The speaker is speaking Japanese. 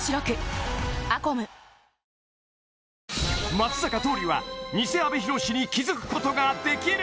松坂桃李はニセ阿部寛に気づくことができる？